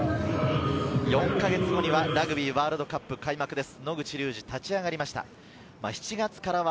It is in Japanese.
４か月後にはラグビーワールドカップ開幕です。